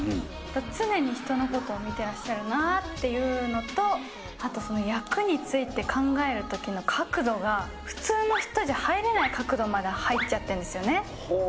常に人のことを見てらっしゃるなぁっていうのと、あとその役について考えるときの角度が、普通の人じゃ入れない角度まで入っちゃってるんですよね。